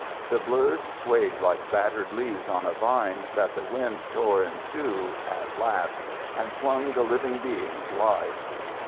The blurs swayed like battered leaves on a vine that the wind tore in two at last and flung the living beings wide.